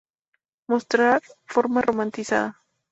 Mostrar forma romanizada